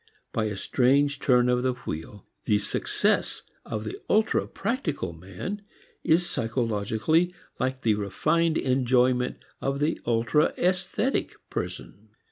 By a strange turn of the wheel, the success of the ultra practical man is psychologically like the refined enjoyment of the ultra esthetic person.